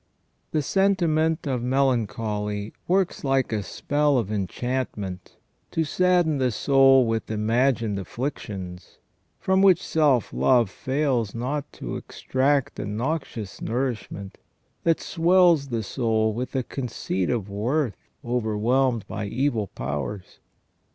The sentiment of melan choly works like a spell of enchantment to sadden the soul with imagined afflictions, from which self love fails not to extract a noxious nourishment, that swells the soul with the conceit of worth overwhelmed by evil powers.